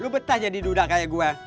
gue betah jadi duda kayak gue